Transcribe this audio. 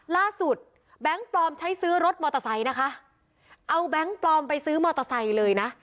แบงค์ปลอมใช้ซื้อรถมอเตอร์ไซค์นะคะเอาแบงค์ปลอมไปซื้อมอเตอร์ไซค์เลยนะ